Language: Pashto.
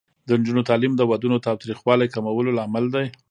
د نجونو تعلیم د ودونو تاوتریخوالي کمولو لامل دی.